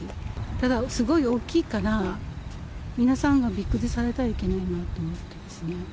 ただ、すごい大きいから、皆さんがびっくりされたらいけないなと思ってますね。